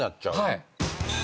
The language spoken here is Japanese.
はい。